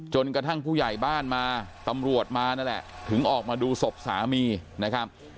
กระทั่งผู้ใหญ่บ้านมาตำรวจมานั่นแหละถึงออกมาดูศพสามีนะครับ